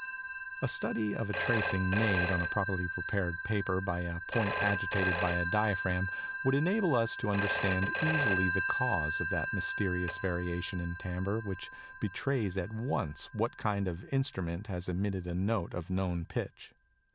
The study of a tracing made on properly prepared paper by a point agitated by a diaphragm would enable us to understand easily the cause of that mysterious variation in timbre which betrays at once what kind of instrument has emitted a note of known pitch.